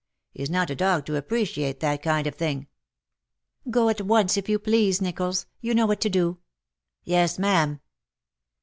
He's not a dog to appreciate that kind of thing." " Go at once, if you please, NichoUs. You know what to do." ^' Yes, ma'am."